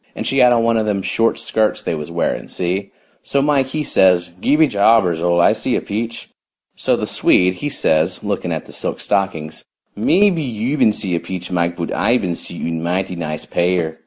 And she had on one of them short skirts they was wearing, see? So Mike he says 'Gee be jabbers, Ole, I see a peach.' So the Swede he says lookin' at the silk stockings, 'Mebby you ban see a peach, Mike, but I ban see one mighty nice pair.'